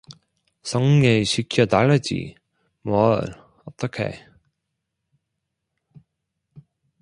"성례시켜 달라지 뭘 어떡해."